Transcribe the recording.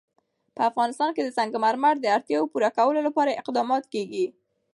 په افغانستان کې د سنگ مرمر د اړتیاوو پوره کولو لپاره اقدامات کېږي.